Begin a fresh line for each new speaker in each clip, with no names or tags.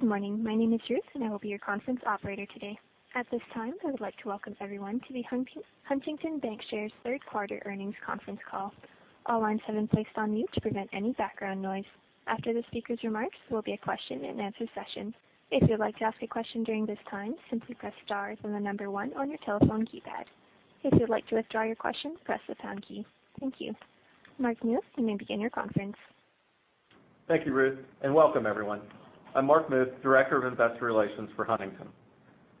Good morning. My name is Ruth, and I will be your conference operator today. At this time, I would like to welcome everyone to the Huntington Bancshares third quarter earnings conference call. All lines have been placed on mute to prevent any background noise. After the speakers' remarks, there will be a question and answer session. If you'd like to ask a question during this time, simply press star and the number one on your telephone keypad. If you'd like to withdraw your question, press the pound key. Thank you. Mark Muth, you may begin your conference.
Thank you, Ruth, and welcome everyone. I'm Mark Muth, Director of Investor Relations for Huntington.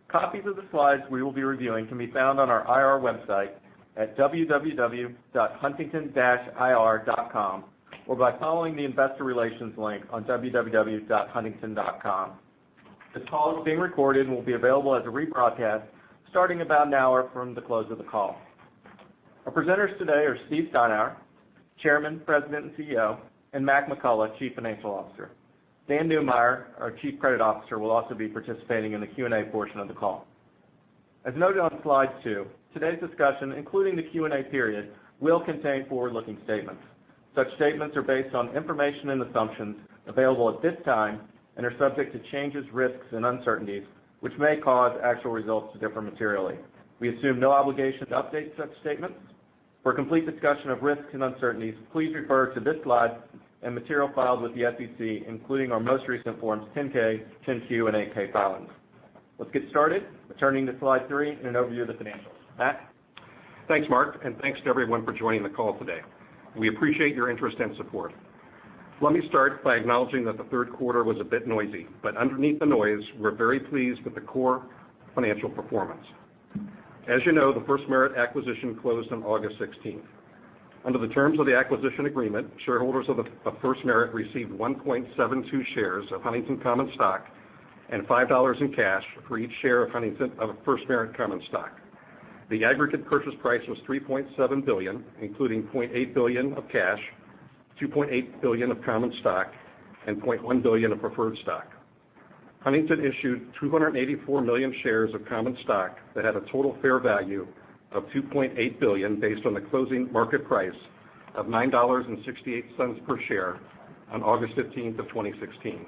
Copies of the slides we will be reviewing can be found on our IR website at www.huntington-ir.com, or by following the investor relations link on www.huntington.com. This call is being recorded and will be available as a rebroadcast starting about an hour from the close of the call. Our presenters today are Steve Steinour, Chairman, President, and CEO, and Mac McCullough, Chief Financial Officer. Dan Neumeyer, our Chief Credit Officer, will also be participating in the Q&A portion of the call. As noted on slide two, today's discussion, including the Q&A period, will contain forward-looking statements. Such statements are based on information and assumptions available at this time and are subject to changes, risks, and uncertainties which may cause actual results to differ materially. We assume no obligation to update such statements. For a complete discussion of risks and uncertainties, please refer to this slide and material filed with the SEC, including our most recent Forms 10-K, 10-Q, and 8-K filings. Let's get started. Turning to slide three and an overview of the financials. Mac?
Thanks, Mark, and thanks to everyone for joining the call today. We appreciate your interest and support. Let me start by acknowledging that the third quarter was a bit noisy, but underneath the noise, we're very pleased with the core financial performance. As you know, the FirstMerit acquisition closed on August 16th. Under the terms of the acquisition agreement, shareholders of FirstMerit received 1.72 shares of Huntington common stock and $5 in cash for each share of FirstMerit common stock. The aggregate purchase price was $3.7 billion, including $0.8 billion of cash, $2.8 billion of common stock, and $0.1 billion of preferred stock. Huntington issued 284 million shares of common stock that had a total fair value of $2.8 billion based on the closing market price of $9.68 per share on August 15th of 2016.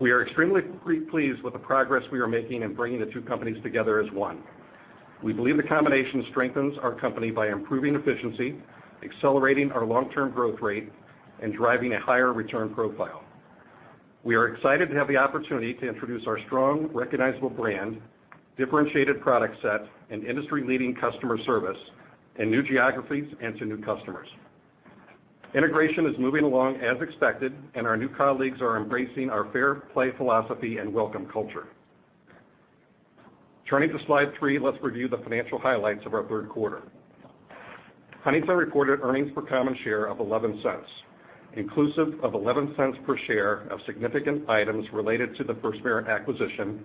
We are extremely pleased with the progress we are making in bringing the two companies together as one. We believe the combination strengthens our company by improving efficiency, accelerating our long-term growth rate, and driving a higher return profile. We are excited to have the opportunity to introduce our strong, recognizable brand, differentiated product set, and industry-leading customer service in new geographies and to new customers. Integration is moving along as expected, and our new colleagues are embracing our Fair Play philosophy and welcome culture. Turning to slide three, let's review the financial highlights of our third quarter. Huntington reported earnings per common share of $0.11, inclusive of $0.11 per share of significant items related to the FirstMerit acquisition,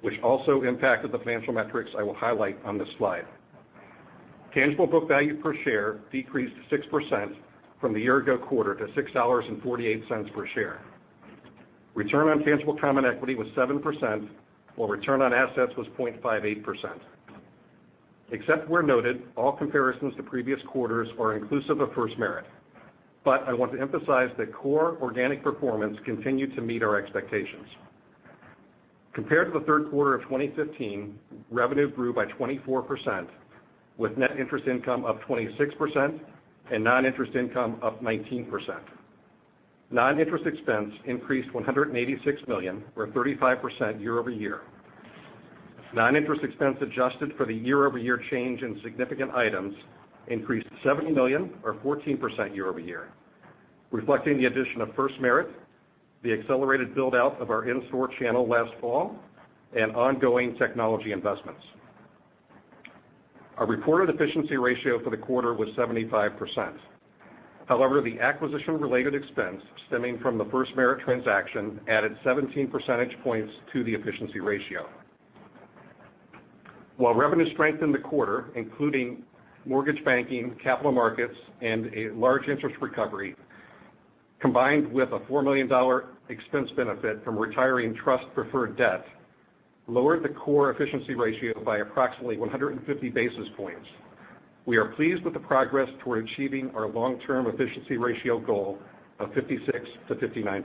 which also impacted the financial metrics I will highlight on this slide. Tangible book value per share decreased 6% from the year ago quarter to $6.48 per share. Return on tangible common equity was 7%, while return on assets was 0.58%. Except where noted, all comparisons to previous quarters are inclusive of FirstMerit. I want to emphasize that core organic performance continued to meet our expectations. Compared to the third quarter of 2015, revenue grew by 24%, with net interest income up 26% and non-interest income up 19%. Non-interest expense increased $186 million, or 35% year-over-year. Non-interest expense adjusted for the year-over-year change in significant items increased $70 million or 14% year-over-year, reflecting the addition of FirstMerit, the accelerated buildout of our in-store channel last fall, and ongoing technology investments. Our reported efficiency ratio for the quarter was 75%. However, the acquisition-related expense stemming from the FirstMerit transaction added 17 percentage points to the efficiency ratio. While revenue strengthened the quarter, including mortgage banking, capital markets, and a large interest recovery, combined with a $4 million expense benefit from retiring trust preferred debt, lowered the core efficiency ratio by approximately 150 basis points. We are pleased with the progress toward achieving our long-term efficiency ratio goal of 56%-59%.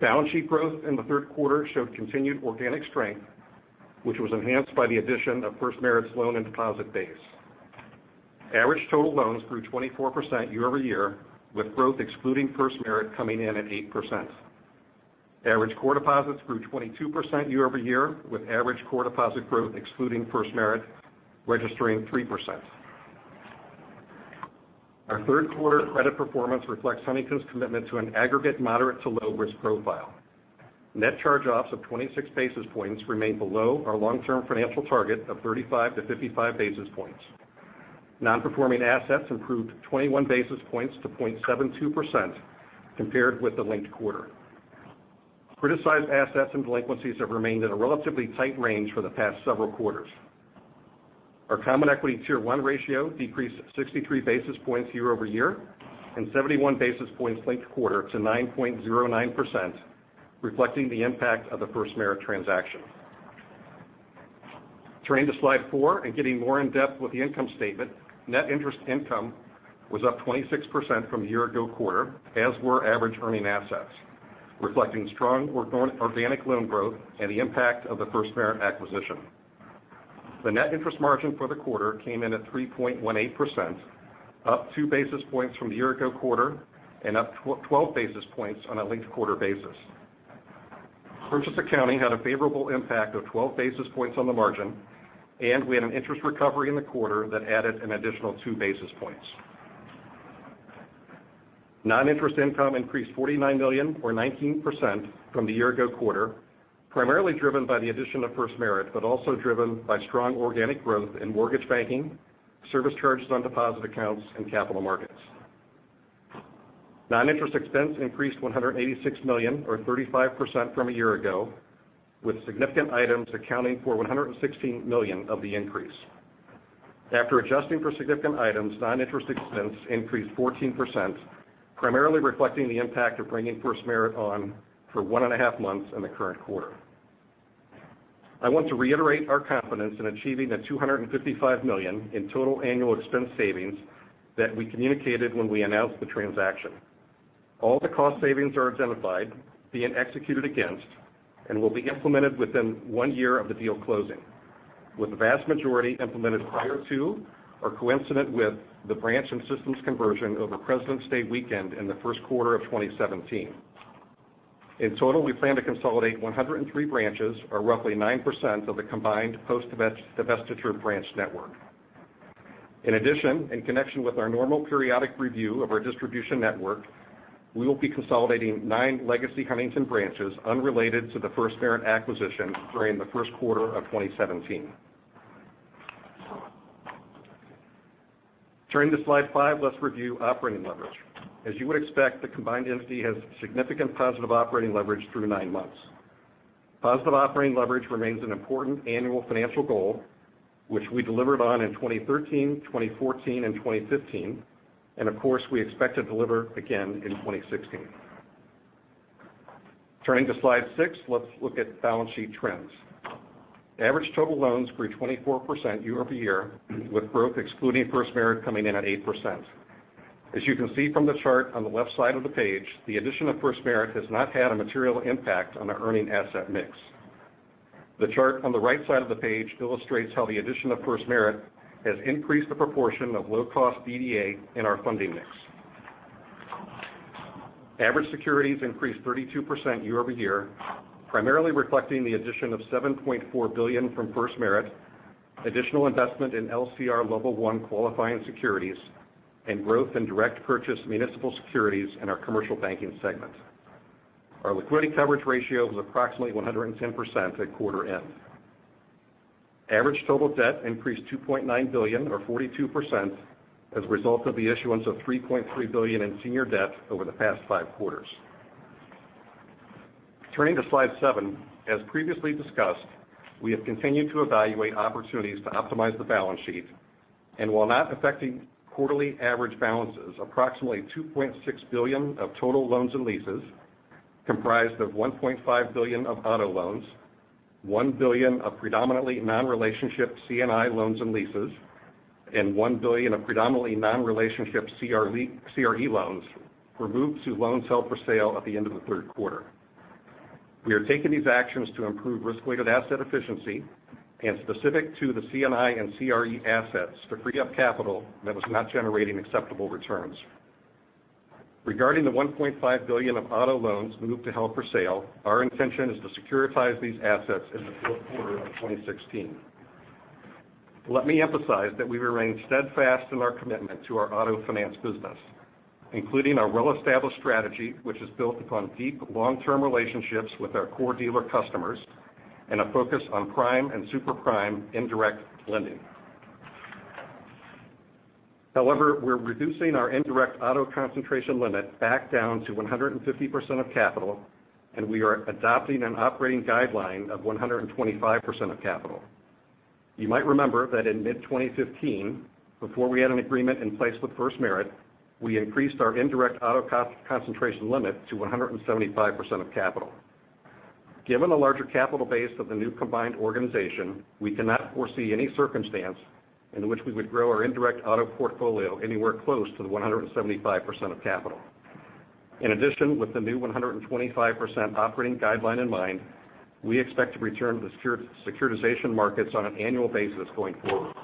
Balance sheet growth in the third quarter showed continued organic strength, which was enhanced by the addition of FirstMerit's loan and deposit base. Average total loans grew 24% year-over-year, with growth excluding FirstMerit coming in at 8%. Average core deposits grew 22% year-over-year, with average core deposit growth excluding FirstMerit registering 3%. Our third quarter credit performance reflects Huntington's commitment to an aggregate moderate to low risk profile. Net charge-offs of 26 basis points remain below our long-term financial target of 35-55 basis points. Non-performing assets improved 21 basis points to 0.72% compared with the linked quarter. Criticized assets and delinquencies have remained in a relatively tight range for the past several quarters. Our Common Equity Tier 1 ratio decreased 63 basis points year-over-year and 71 basis points linked-quarter to 9.09%, reflecting the impact of the FirstMerit transaction. Turning to slide four and getting more in-depth with the income statement. Net interest income was up 26% from year ago quarter, as were average earning assets, reflecting strong organic loan growth and the impact of the FirstMerit acquisition. The net interest margin for the quarter came in at 3.18%, up two basis points from the year ago quarter and up 12 basis points on a linked-quarter basis. Purchase accounting had a favorable impact of 12 basis points on the margin, and we had an interest recovery in the quarter that added an additional two basis points. Non-interest income increased $49 million or 19% from the year-ago quarter, primarily driven by the addition of FirstMerit, but also driven by strong organic growth in mortgage banking, service charges on deposit accounts and capital markets. Non-interest expense increased $186 million or 35% from a year ago, with significant items accounting for $116 million of the increase. After adjusting for significant items, non-interest expense increased 14%, primarily reflecting the impact of bringing FirstMerit on for one and a half months in the current quarter. I want to reiterate our confidence in achieving the $255 million in total annual expense savings that we communicated when we announced the transaction. All the cost savings are identified, being executed against, and will be implemented within one year of the deal closing, with the vast majority implemented prior to or coincident with the branch and systems conversion over Presidents' Day weekend in the first quarter of 2017. In total, we plan to consolidate 103 branches or roughly 9% of the combined post-divestiture branch network. In addition, in connection with our normal periodic review of our distribution network, we will be consolidating nine legacy Huntington branches unrelated to the FirstMerit acquisition during the first quarter of 2017. Turning to slide five, let's review operating leverage. As you would expect, the combined entity has significant positive operating leverage through nine months. Positive operating leverage remains an important annual financial goal, which we delivered on in 2013, 2014, and 2015, and of course, we expect to deliver again in 2016. Turning to slide six, let's look at balance sheet trends. Average total loans grew 24% year-over-year, with growth excluding FirstMerit coming in at 8%. As you can see from the chart on the left side of the page, the addition of FirstMerit has not had a material impact on the earning asset mix. The chart on the right side of the page illustrates how the addition of FirstMerit has increased the proportion of low-cost DDA in our funding mix. Average securities increased 32% year-over-year, primarily reflecting the addition of $7.4 billion from FirstMerit, additional investment in LCR Level 1 qualifying securities, and growth in direct purchase municipal securities in our commercial banking segment. Our liquidity coverage ratio was approximately 110% at quarter end. Average total debt increased $2.9 billion or 42% as a result of the issuance of $3.3 billion in senior debt over the past five quarters. Turning to slide seven. As previously discussed, we have continued to evaluate opportunities to optimize the balance sheet, and while not affecting quarterly average balances, approximately $2.6 billion of total loans and leases comprised of $1.5 billion of auto loans, $1 billion of predominantly non-relationship C&I loans and leases, and $1 billion of predominantly non-relationship CRE loans were moved to loans held for sale at the end of the third quarter. We are taking these actions to improve risk-weighted asset efficiency and specific to the C&I and CRE assets to free up capital that was not generating acceptable returns. Regarding the $1.5 billion of auto loans moved to held for sale, our intention is to securitize these assets in the fourth quarter of 2016. Let me emphasize that we remain steadfast in our commitment to our auto finance business, including our well-established strategy, which is built upon deep long-term relationships with our core dealer customers and a focus on prime and super prime indirect lending. We're reducing our indirect auto concentration limit back down to 150% of capital, and we are adopting an operating guideline of 125% of capital. You might remember that in mid-2015, before we had an agreement in place with FirstMerit, we increased our indirect auto concentration limit to 175% of capital. Given the larger capital base of the new combined organization, we cannot foresee any circumstance in which we would grow our indirect auto portfolio anywhere close to the 175% of capital. With the new 125% operating guideline in mind, we expect to return to the securitization markets on an annual basis going forward.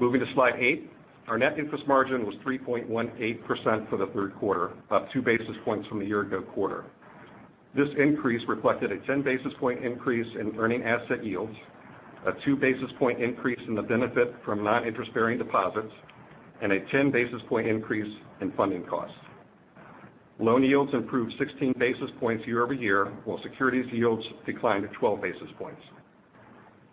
Moving to slide eight. Our net interest margin was 3.18% for the third quarter, up two basis points from the year-ago quarter. This increase reflected a 10 basis point increase in earning asset yields, a two basis point increase in the benefit from non-interest-bearing deposits, and a 10 basis point increase in funding costs. Loan yields improved 16 basis points year-over-year, while securities yields declined at 12 basis points.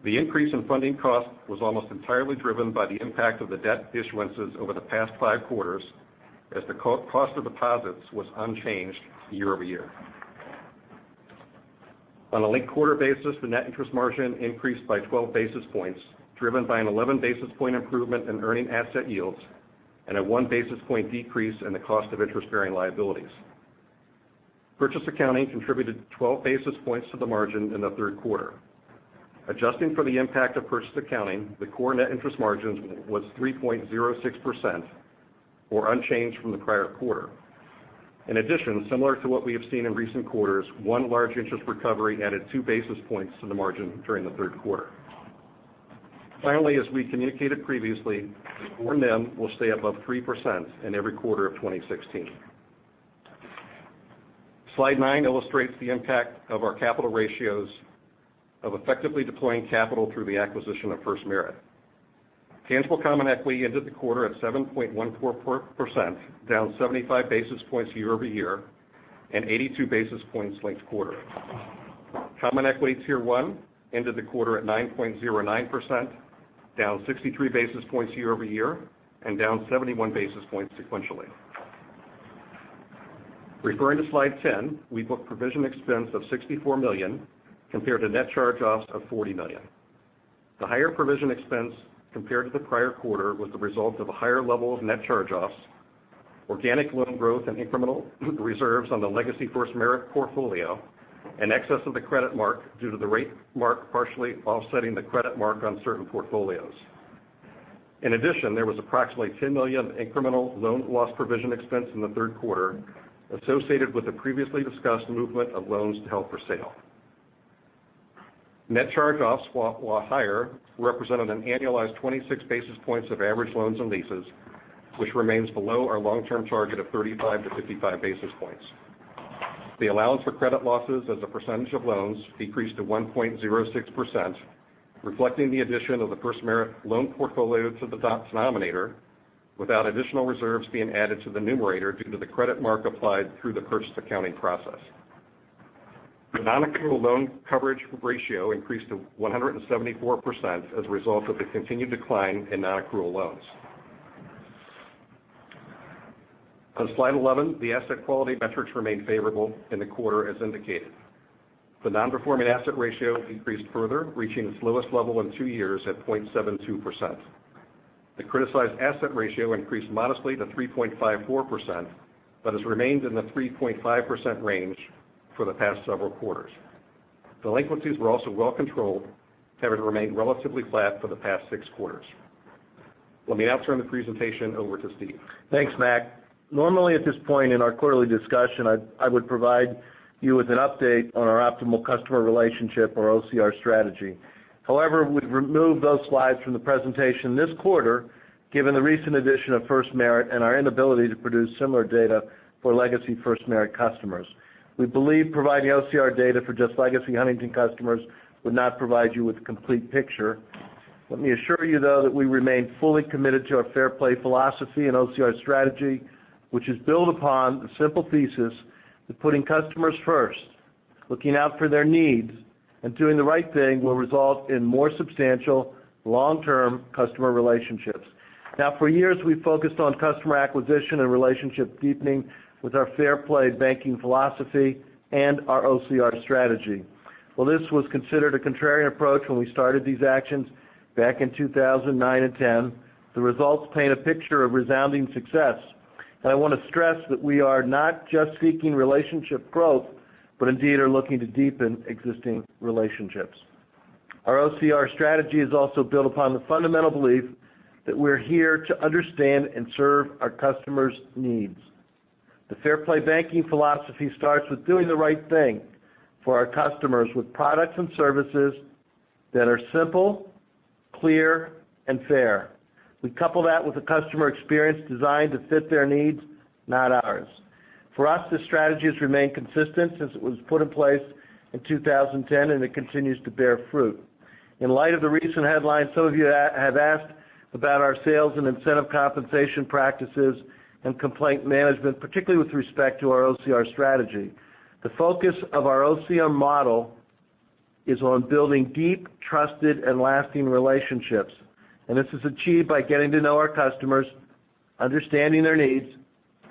The increase in funding cost was almost entirely driven by the impact of the debt issuances over the past five quarters as the cost of deposits was unchanged year-over-year. On a linked-quarter basis, the net interest margin increased by 12 basis points, driven by an 11 basis point improvement in earning asset yields and a one basis point decrease in the cost of interest-bearing liabilities. Purchase accounting contributed 12 basis points to the margin in the third quarter. Adjusting for the impact of purchase accounting, the core net interest margin was 3.06%, or unchanged from the prior quarter. Similar to what we have seen in recent quarters, one large interest recovery added two basis points to the margin during the third quarter. As we communicated previously, core NIM will stay above 3% in every quarter of 2016. Slide nine illustrates the impact of our capital ratios of effectively deploying capital through the acquisition of FirstMerit. Tangible common equity ended the quarter at 7.14%, down 75 basis points year-over-year, and 82 basis points linked quarter. Common Equity Tier 1 ended the quarter at 9.09%, down 63 basis points year-over-year, and down 71 basis points sequentially. Referring to slide 10, we book provision expense of $64 million, compared to net charge-offs of $40 million. The higher provision expense compared to the prior quarter was the result of a higher level of net charge-offs, organic loan growth and incremental reserves on the legacy FirstMerit portfolio, and excess of the credit mark due to the rate mark partially offsetting the credit mark on certain portfolios. There was approximately $10 million of incremental loan loss provision expense in the third quarter associated with the previously discussed movement of loans to held for sale. Net charge-offs, while higher, represented an annualized 26 basis points of average loans and leases, which remains below our long-term target of 35 to 55 basis points. The allowance for credit losses as a percentage of loans decreased to 1.06%, reflecting the addition of the FirstMerit loan portfolio to the denominator, without additional reserves being added to the numerator due to the credit mark applied through the purchase accounting process. The nonaccrual loan coverage ratio increased to 174% as a result of the continued decline in nonaccrual loans. On slide 11, the asset quality metrics remained favorable in the quarter as indicated. The non-performing asset ratio increased further, reaching its lowest level in two years at 0.72%. The criticized asset ratio increased modestly to 3.54%, but has remained in the 3.5% range for the past several quarters. Delinquencies were also well controlled, having remained relatively flat for the past six quarters. Let me now turn the presentation over to Steve.
Thanks, Mac. Normally at this point in our quarterly discussion, I would provide you with an update on our optimal customer relationship, or OCR strategy. However, we've removed those slides from the presentation this quarter, given the recent addition of FirstMerit and our inability to produce similar data for legacy FirstMerit customers. We believe providing OCR data for just legacy Huntington customers would not provide you with the complete picture. Let me assure you, though, that we remain fully committed to our Fair Play philosophy and OCR strategy, which is built upon the simple thesis that putting customers first, looking out for their needs, and doing the right thing will result in more substantial long-term customer relationships. For years, we've focused on customer acquisition and relationship deepening with our Fair Play banking philosophy and our OCR strategy. While this was considered a contrarian approach when we started these actions back in 2009 and 2010, the results paint a picture of resounding success, and I want to stress that we are not just seeking relationship growth, but indeed are looking to deepen existing relationships. Our OCR strategy is also built upon the fundamental belief that we're here to understand and serve our customers' needs. The Fair Play banking philosophy starts with doing the right thing for our customers with products and services that are simple, clear, and fair. We couple that with a customer experience designed to fit their needs, not ours. For us, this strategy has remained consistent since it was put in place in 2010, and it continues to bear fruit. In light of the recent headlines, some of you have asked about our sales and incentive compensation practices and complaint management, particularly with respect to our OCR strategy. The focus of our OCR model is on building deep, trusted, and lasting relationships. This is achieved by getting to know our customers, understanding their needs,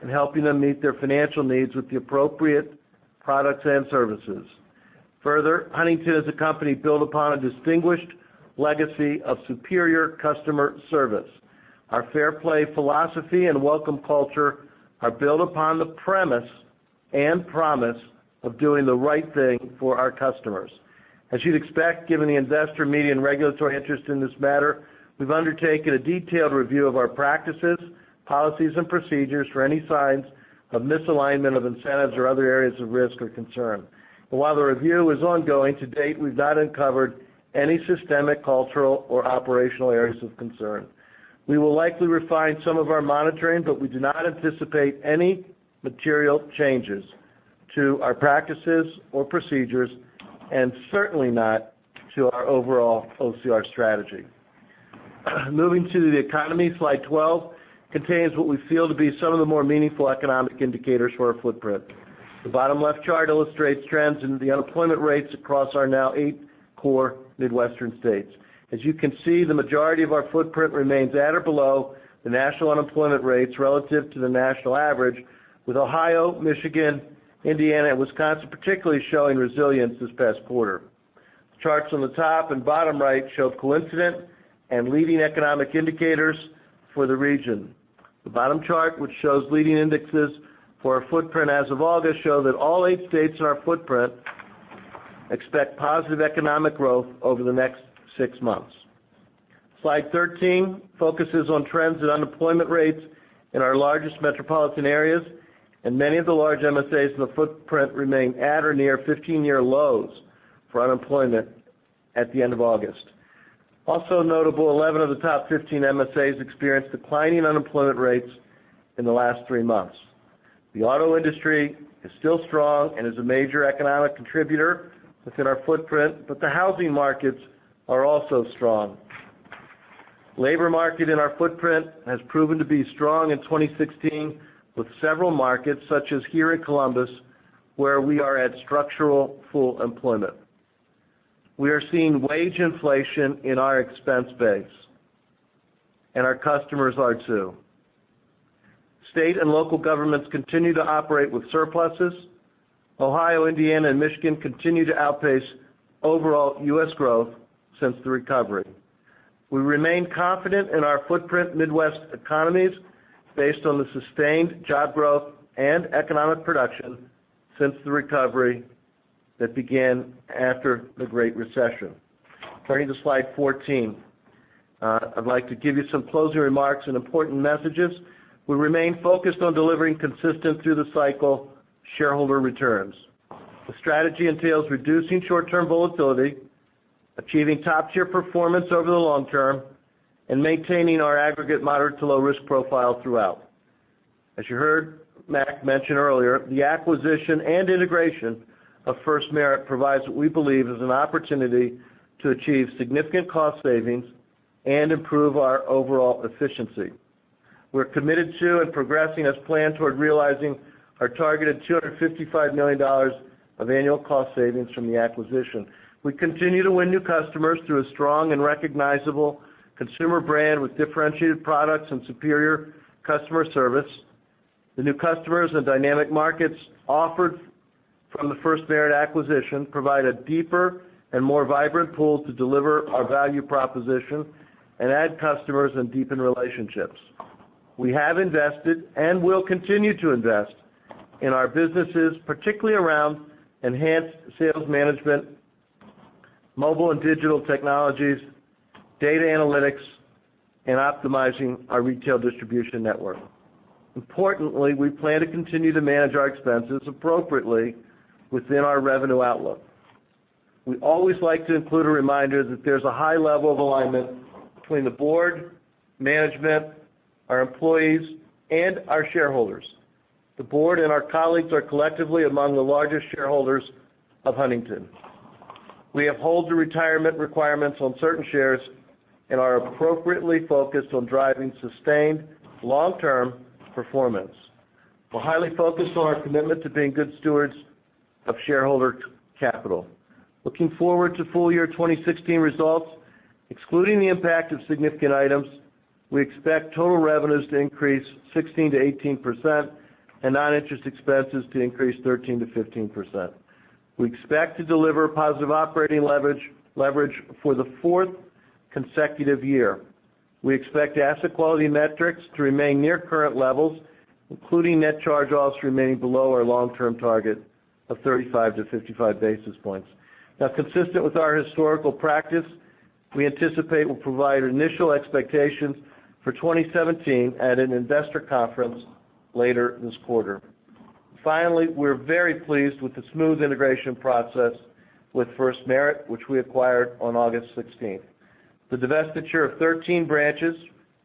and helping them meet their financial needs with the appropriate products and services. Further, Huntington is a company built upon a distinguished legacy of superior customer service. Our Fair Play philosophy and welcome culture are built upon the premise and promise of doing the right thing for our customers. As you'd expect, given the investor media and regulatory interest in this matter, we've undertaken a detailed review of our practices, policies, and procedures for any signs of misalignment of incentives or other areas of risk or concern. While the review is ongoing, to date, we've not uncovered any systemic cultural or operational areas of concern. We will likely refine some of our monitoring, but we do not anticipate any material changes to our practices or procedures, and certainly not to our overall OCR strategy. Moving to the economy, slide twelve contains what we feel to be some of the more meaningful economic indicators for our footprint. The bottom left chart illustrates trends in the unemployment rates across our now eight core Midwestern states. As you can see, the majority of our footprint remains at or below the national unemployment rates relative to the national average, with Ohio, Michigan, Indiana, and Wisconsin particularly showing resilience this past quarter. The charts on the top and bottom right show coincident and leading economic indicators for the region. The bottom chart, which shows leading indexes for our footprint as of August, show that all eight states in our footprint expect positive economic growth over the next six months. Slide 13 focuses on trends in unemployment rates in our largest metropolitan areas, and many of the large MSAs in the footprint remain at or near 15-year lows for unemployment at the end of August. Also notable, 11 of the top 15 MSAs experienced declining unemployment rates in the last three months. The auto industry is still strong and is a major economic contributor within our footprint, but the housing markets are also strong. Labor market in our footprint has proven to be strong in 2016, with several markets, such as here in Columbus, where we are at structural full employment. We are seeing wage inflation in our expense base, and our customers are too. State and local governments continue to operate with surpluses. Ohio, Indiana, and Michigan continue to outpace overall U.S. growth since the recovery. We remain confident in our footprint Midwest economies based on the sustained job growth and economic production since the recovery that began after the Great Recession. Turning to slide 14. I'd like to give you some closing remarks and important messages. We remain focused on delivering consistent through-the-cycle shareholder returns. The strategy entails reducing short-term volatility, achieving top-tier performance over the long term, and maintaining our aggregate moderate to low risk profile throughout. As you heard Mac mention earlier, the acquisition and integration of FirstMerit provides what we believe is an opportunity to achieve significant cost savings and improve our overall efficiency. We're committed to and progressing as planned toward realizing our targeted $255 million of annual cost savings from the acquisition. We continue to win new customers through a strong and recognizable consumer brand with differentiated products and superior customer service. The new customers and dynamic markets offered from the FirstMerit acquisition provide a deeper and more vibrant pool to deliver our value proposition and add customers and deepen relationships. We have invested and will continue to invest in our businesses, particularly around enhanced sales management, mobile and digital technologies, data analytics, and optimizing our retail distribution network. Importantly, we plan to continue to manage our expenses appropriately within our revenue outlook. We always like to include a reminder that there's a high level of alignment between the board, management, our employees, and our shareholders. The board and our colleagues are collectively among the largest shareholders of Huntington. We uphold the retirement requirements on certain shares and are appropriately focused on driving sustained long-term performance. We're highly focused on our commitment to being good stewards of shareholder capital. Looking forward to full year 2016 results, excluding the impact of significant items, we expect total revenues to increase 16%-18% and non-interest expenses to increase 13%-15%. We expect to deliver positive operating leverage for the fourth consecutive year. We expect asset quality metrics to remain near current levels, including net charge-offs remaining below our long-term target of 35-55 basis points. Consistent with our historical practice, we anticipate we'll provide initial expectations for 2017 at an investor conference later this quarter. Finally, we're very pleased with the smooth integration process with FirstMerit, which we acquired on August 16th. The divestiture of 13 branches,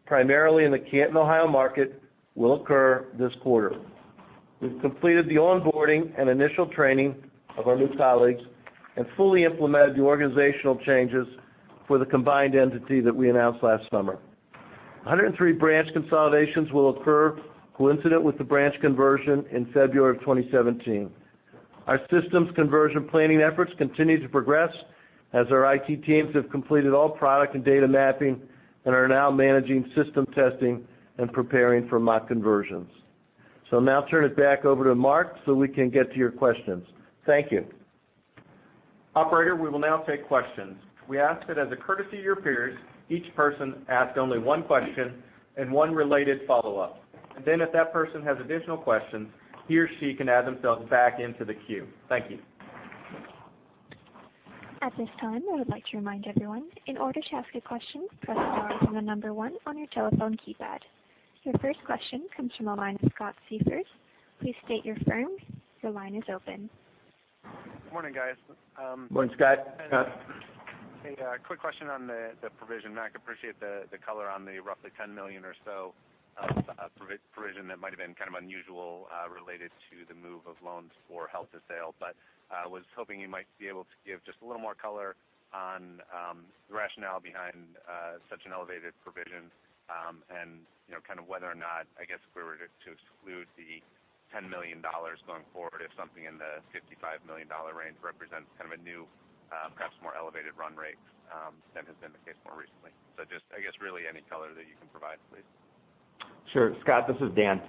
primarily in the Canton, Ohio market, will occur this quarter. We've completed the onboarding and initial training of our new colleagues and fully implemented the organizational changes for the combined entity that we announced last summer. 103 branch consolidations will occur coincident with the branch conversion in February of 2017. Our systems conversion planning efforts continue to progress as our IT teams have completed all product and data mapping and are now managing system testing and preparing for mock conversions. I'll now turn it back over to Mark so we can get to your questions. Thank you.
Operator, we will now take questions. We ask that as a courtesy to your peers, each person ask only one question and one related follow-up. If that person has additional questions, he or she can add themselves back into the queue. Thank you.
At this time, I would like to remind everyone, in order to ask a question, press star and the number one on your telephone keypad. Your first question comes from the line of Scott Siefers. Please state your firm. Your line is open.
Morning, guys.
Morning, Scott.
A quick question on the provision. Mac, appreciate the color on the roughly $10 million or so of provision that might have been kind of unusual related to the move of loans for held-for-sale. I was hoping you might be able to give just a little more color on the rationale behind such an elevated provision and kind of whether or not, I guess, if we were to exclude the $10 million going forward, if something in the $55 million range represents kind of a new perhaps more elevated run rate than has been the case more recently. Just, I guess, really any color that you can provide, please.
Sure. Scott, this is Dan.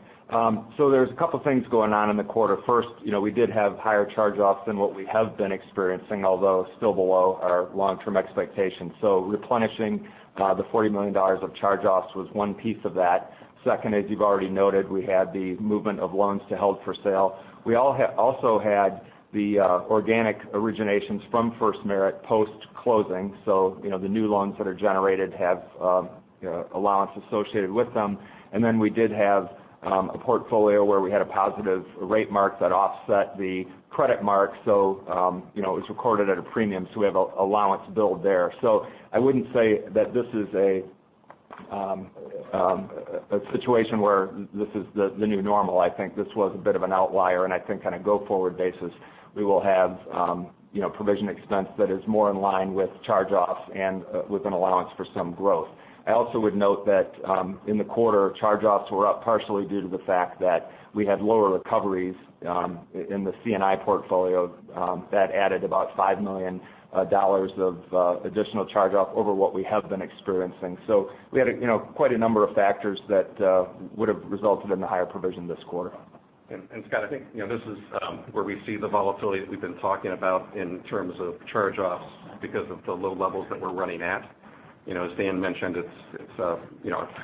There's a couple things going on in the quarter. First, we did have higher charge-offs than what we have been experiencing, although still below our long-term expectations. Replenishing the $40 million of charge-offs was one piece of that. Second, as you've already noted, we had the movement of loans to held-for-sale. We also had the organic originations from FirstMerit post-closing. The new loans that are generated have allowance associated with them. We did have a portfolio where we had a positive rate mark that offset the credit mark. It was recorded at a premium, so we have allowance build there. I wouldn't say that this is a situation where this is the new normal. I think this was a bit of an outlier. I think on a go-forward basis, we will have provision expense that is more in line with charge-offs and with an allowance for some growth. I also would note that in the quarter, charge-offs were up partially due to the fact that we had lower recoveries in the C&I portfolio that added about $5 million of additional charge-off over what we have been experiencing. We had quite a number of factors that would've resulted in the higher provision this quarter.
Scott, I think this is where we see the volatility that we've been talking about in terms of charge-offs because of the low levels that we're running at. As Dan Neumeyer mentioned, it's a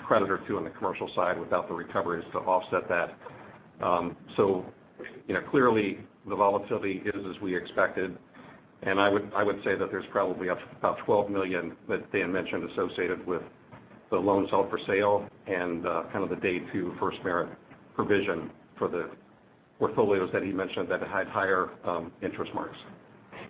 credit or two on the commercial side without the recoveries to offset that. Clearly, the volatility is as we expected. I would say that there's probably about $12 million that Dan Neumeyer mentioned associated with the loans held for sale and kind of the day two FirstMerit provision for the portfolios that he mentioned that had higher interest marks.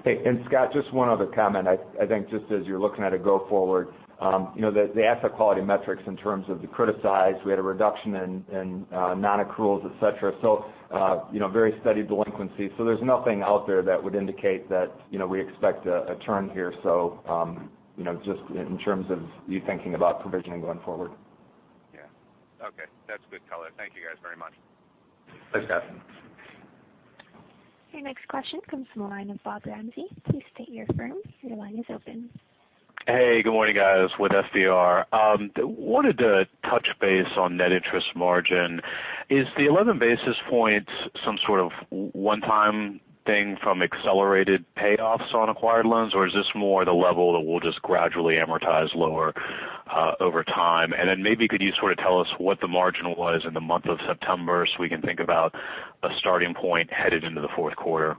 Hey, Scott, just one other comment. I think just as you're looking at it go forward the asset quality metrics in terms of the credit side, we had a reduction in non-accruals, et cetera. Very steady delinquency. There's nothing out there that would indicate that we expect a turn here. Just in terms of you thinking about provisioning going forward.
Yeah. Okay. That's good color. Thank you guys very much.
Thanks, Scott.
Your next question comes from the line of Bob Ramsey. Please state your firm. Your line is open.
Hey, good morning, guys, with FBR. Wanted to touch base on net interest margin. Is the 11 basis points some sort of one-time thing from accelerated payoffs on acquired loans, or is this more the level that will just gradually amortize lower over time? Maybe could you sort of tell us what the margin was in the month of September so we can think about a starting point headed into the fourth quarter?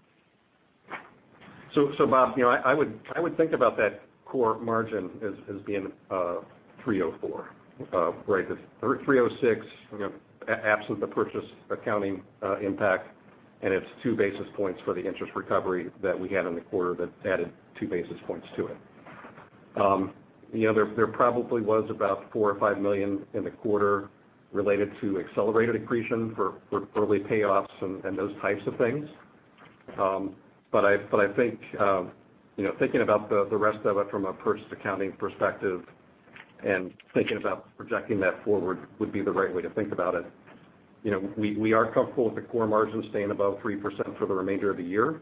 Bob, I would think about that core margin as being 304, right? The 306, absent the purchase accounting impact, and it's two basis points for the interest recovery that we had in the quarter that added two basis points to it. There probably was about $4 million or $5 million in the quarter related to accelerated accretion for early payoffs and those types of things. I think, thinking about the rest of it from a purchase accounting perspective and thinking about projecting that forward would be the right way to think about it. We are comfortable with the core margin staying above 3% for the remainder of the year.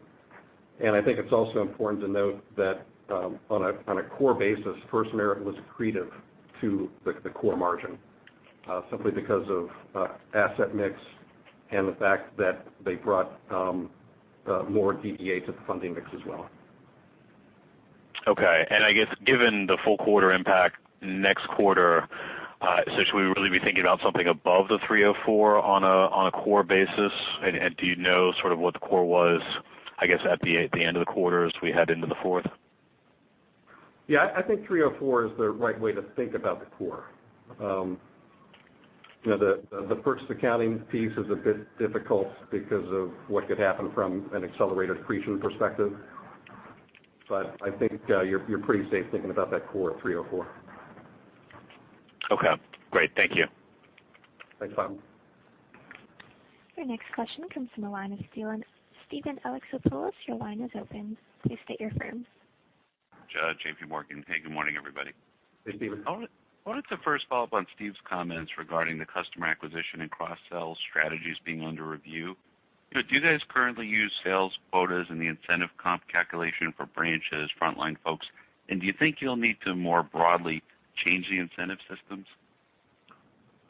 I think it's also important to note that on a core basis, FirstMerit was accretive to the core margin simply because of asset mix and the fact that they brought more DDA to the funding mix as well.
Okay. I guess given the full quarter impact next quarter, should we really be thinking about something above the 304 on a core basis? Do you know sort of what the core was, I guess, at the end of the quarter as we head into the fourth?
Yeah, I think 304 is the right way to think about the core. The purchase accounting piece is a bit difficult because of what could happen from an accelerated accretion perspective. I think you're pretty safe thinking about that core at 304.
Okay, great. Thank you.
Thanks, Bob.
Your next question comes from the line of Steven. Steven Alexopoulos, your line is open. Please state your firm.
JPMorgan. Hey, good morning, everybody.
Hey, Steven.
I wanted to first follow up on Steve's comments regarding the customer acquisition and cross-sell strategies being under review. Do you guys currently use sales quotas in the incentive comp calculation for branches, frontline folks, and do you think you'll need to more broadly change the incentive systems?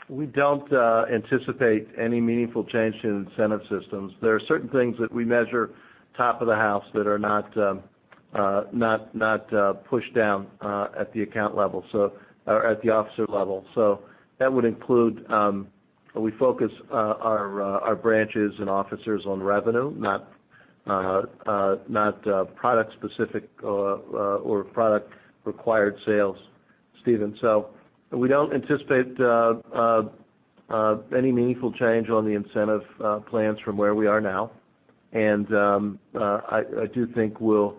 We don't anticipate any meaningful change to the incentive systems. There are certain things that we measure top of the house that are not pushed down at the account level or at the officer level. That would include, we focus our branches and officers on revenue, not product specific or product required sales, Steven. We don't anticipate any meaningful change on the incentive plans from where we are now. I do think we'll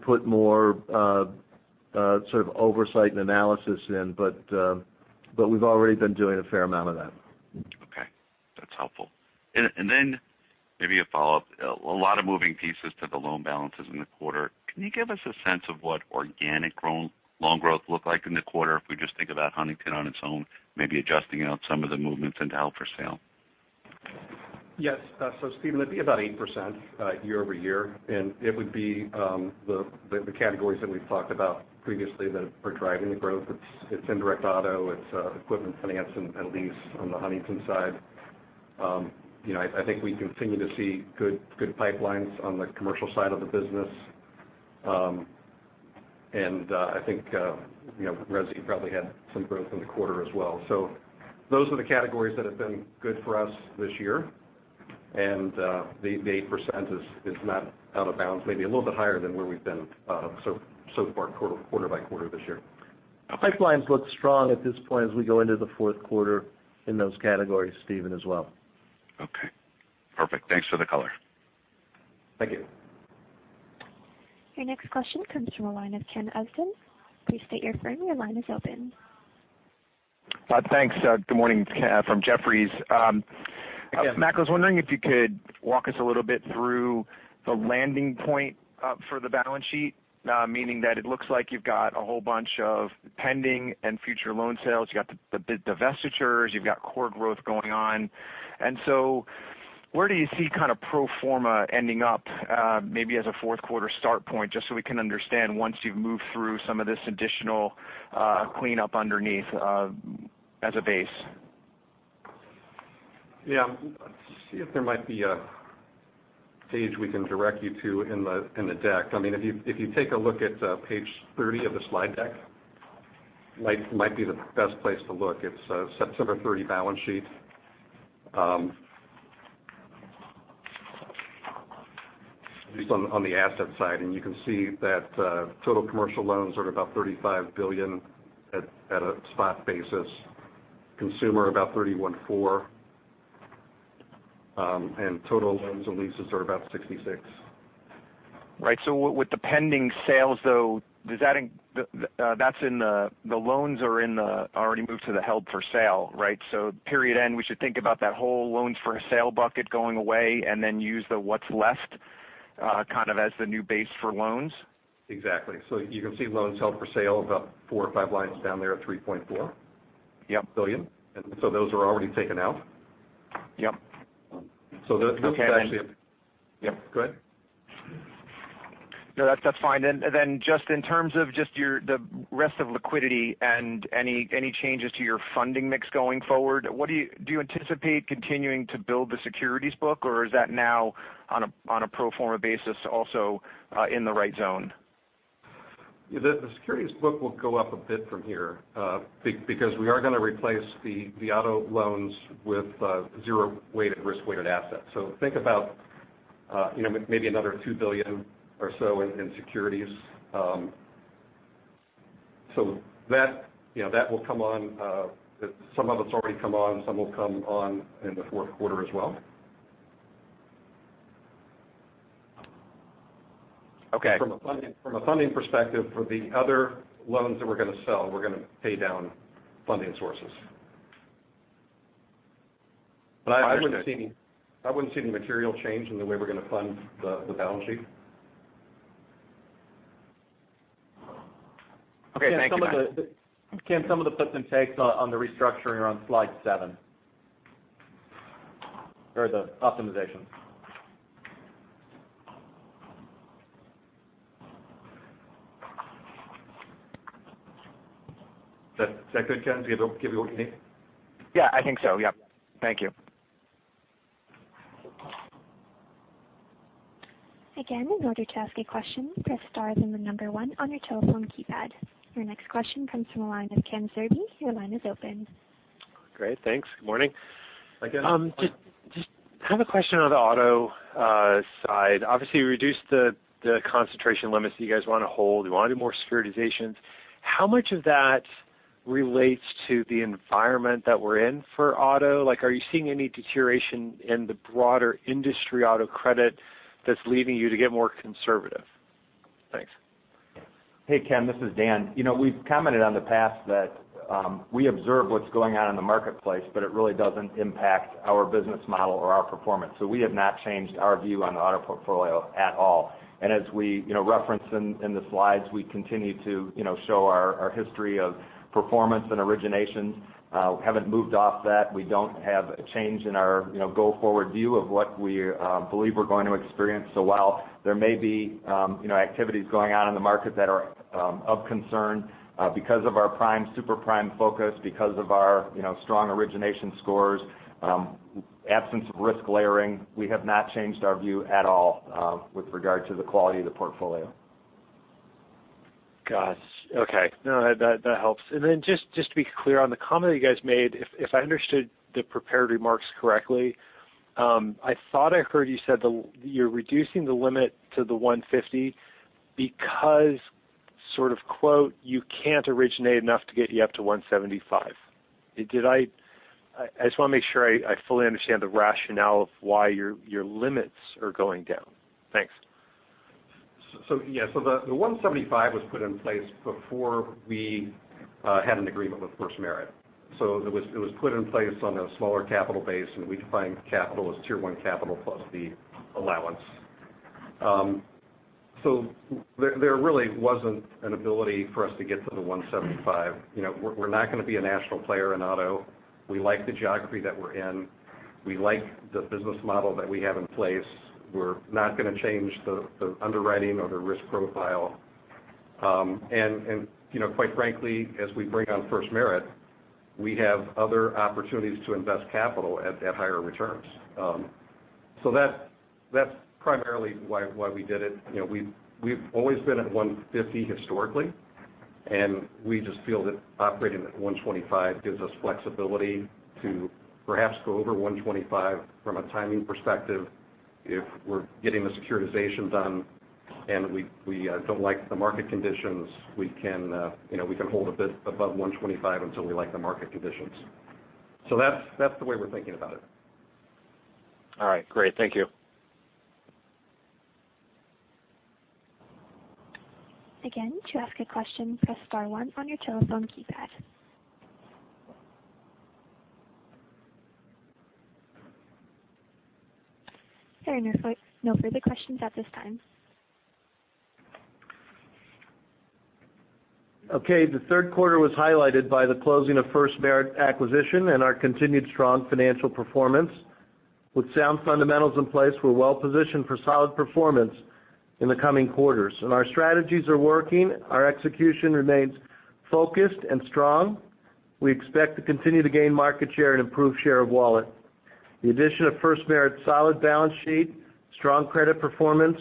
put more sort of oversight and analysis in, but we've already been doing a fair amount of that.
Okay, that's helpful. Maybe a follow-up. A lot of moving pieces to the loan balances in the quarter. Can you give us a sense of what organic loan growth looked like in the quarter if we just think about Huntington on its own, maybe adjusting out some of the movements into held for sale?
Yes. Steven, it'd be about 8% year-over-year, and it would be the categories that we've talked about previously that are driving the growth. It's indirect auto, it's equipment finance and lease on the Huntington side. I think we continue to see good pipelines on the commercial side of the business. I think resi probably had some growth in the quarter as well. Those are the categories that have been good for us this year. The 8% is not out of bounds, maybe a little bit higher than where we've been so far quarter by quarter this year. Pipelines look strong at this point as we go into the fourth quarter in those categories, Steven, as well.
Okay. Perfect. Thanks for the color.
Thank you.
Your next question comes from the line of Ken Usdin. Please state your firm. Your line is open.
Thanks. Good morning. It's Ken from Jefferies.
Hi, Ken.
Mac, I was wondering if you could walk us a little bit through the landing point for the balance sheet. Meaning that it looks like you've got a whole bunch of pending and future loan sales. You've got the divestitures, you've got core growth going on. Where do you see pro forma ending up maybe as a fourth quarter start point, just so we can understand once you've moved through some of this additional cleanup underneath as a base?
Yeah. Let's see if there might be a page we can direct you to in the deck. If you take a look at page 30 of the slide deck, might be the best place to look. It's a September 30 balance sheet. At least on the asset side. You can see that total commercial loans are about $35 billion at a spot basis. Consumer, about $31.4. Total loans and leases are about $66.
Right. With the pending sales, though, the loans are already moved to the held for sale, right? Period end, we should think about that whole loans for a sale bucket going away and then use the what's left kind of as the new base for loans?
Exactly. You can see loans held for sale about four or five lines down there at $3.4-
Yep
billion. Those are already taken out.
Yep.
So those-
Okay.
Go ahead.
No, that's fine. In terms of the rest of liquidity and any changes to your funding mix going forward, do you anticipate continuing to build the securities book, or is that now on a pro forma basis also in the right zone?
The securities book will go up a bit from here because we are going to replace the auto loans with zero risk-weighted assets. Think about maybe another $2 billion or so in securities. That will come on. Some of it's already come on. Some will come on in the fourth quarter as well.
Okay.
From a funding perspective, for the other loans that we're going to sell, we're going to pay down funding sources.
Understood.
I wouldn't see any material change in the way we're going to fund the balance sheet.
Okay. Thank you, Matt.
Ken, some of the puts and takes on the restructuring are on slide seven. The optimization. Is that good, Ken? Does that give what you need?
Yeah, I think so. Yep. Thank you.
In order to ask a question, press star then 1 on your telephone keypad. Your next question comes from the line of Ken Zerbe. Your line is open.
Great. Thanks. Good morning.
Hi, Ken.
Just have a question on the auto side. Obviously, you reduced the concentration limits that you guys want to hold. You want to do more securitizations. How much of that relates to the environment that we're in for auto? Are you seeing any deterioration in the broader industry auto credit that's leaving you to get more conservative? Thanks.
Hey, Ken, this is Dan. We've commented on the past that we observe what's going on in the marketplace, but it really doesn't impact our business model or our performance. We have not changed our view on the auto portfolio at all. As we referenced in the slides, we continue to show our history of performance and originations. Haven't moved off that. We don't have a change in our go-forward view of what we believe we're going to experience. While there may be activities going on in the market that are of concern because of our prime, super prime focus, because of our strong origination scores, absence of risk layering, we have not changed our view at all with regard to the quality of the portfolio.
Got it. Okay. That helps. Just to be clear on the comment you guys made, if I understood the prepared remarks correctly, I thought I heard you said you're reducing the limit to the 150 because sort of quote, you can't originate enough to get you up to 175. I just want to make sure I fully understand the rationale of why your limits are going down. Thanks.
The 175 was put in place before we had an agreement with FirstMerit. It was put in place on a smaller capital base, and we define capital as Tier 1 capital plus the allowance. There really wasn't an ability for us to get to the 175. We're not going to be a national player in auto. We like the geography that we're in. We like the business model that we have in place. We're not going to change the underwriting or the risk profile. Quite frankly, as we bring on FirstMerit, we have other opportunities to invest capital at higher returns. That's primarily why we did it. We've always been at 150 historically, and we just feel that operating at 125 gives us flexibility to perhaps go over 125 from a timing perspective. If we're getting the securitizations done and we don't like the market conditions, we can hold a bit above 125 until we like the market conditions. That's the way we're thinking about it.
All right, great. Thank you.
Again, to ask a question, press star one on your telephone keypad. There are no further questions at this time.
Okay. The third quarter was highlighted by the closing of FirstMerit acquisition and our continued strong financial performance. With sound fundamentals in place, we're well positioned for solid performance in the coming quarters. Our strategies are working. Our execution remains focused and strong. We expect to continue to gain market share and improve share of wallet. The addition of FirstMerit's solid balance sheet, strong credit performance,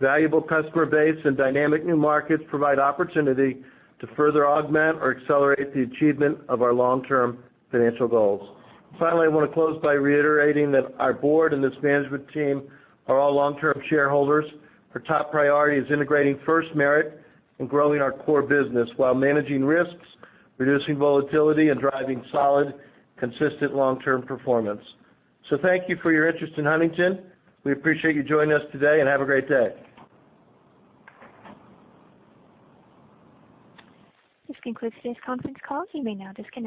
valuable customer base, and dynamic new markets provide opportunity to further augment or accelerate the achievement of our long-term financial goals. Finally, I want to close by reiterating that our board and this management team are all long-term shareholders. Our top priority is integrating FirstMerit and growing our core business while managing risks, reducing volatility, and driving solid, consistent long-term performance. Thank you for your interest in Huntington. We appreciate you joining us today, and have a great day.
This concludes today's conference call. You may now disconnect.